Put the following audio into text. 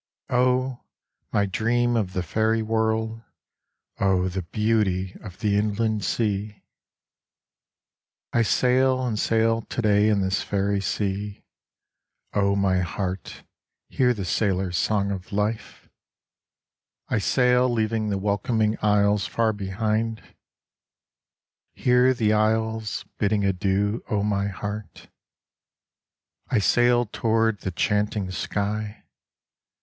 Oh, my dream of the fairy world, oh, the beauty of the Inland Sea ! I sail and sail to day in this fairy sea, (O my heart, hear the sailors' song of life !) I sail leaving the welcoming isles far behind, (Hear the isles bidding adieu, O my heart !) y \ In the Inland Sea 1 03 I sail toward the chanting sky.